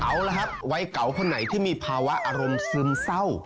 เอาละครับวัยเก่าคนไหนที่มีภาวะอารมณ์ซึมเศร้า